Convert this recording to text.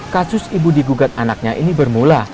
kasus ibu digugat anaknya ini bermula